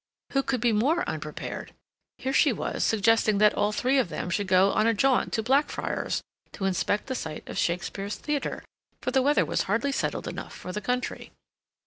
Who could be more unprepared? Here she was, suggesting that all three of them should go on a jaunt to Blackfriars to inspect the site of Shakespeare's theater, for the weather was hardly settled enough for the country.